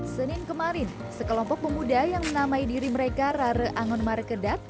senin kemarin sekelompok pemuda yang menamai diri mereka rare angon markedat